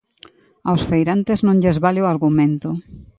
Aos feirantes non lles vale o argumento.